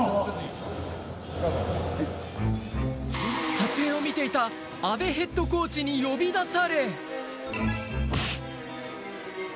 撮影を見ていた阿部ヘッドコーチに呼び出され。